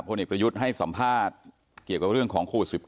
เอกประยุทธ์ให้สัมภาษณ์เกี่ยวกับเรื่องของโควิด๑๙